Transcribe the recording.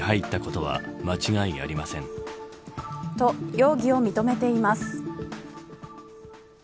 と、容疑を認めています。